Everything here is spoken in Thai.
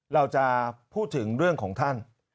เราจะพูดถึงเรื่องของท่าน